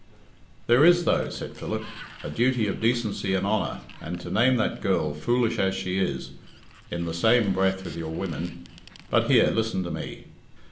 "There is, though," said Philip, "a duty of decency and honour, and to name that girl, foolish as she is, in the same breath with your women But here, listen to me.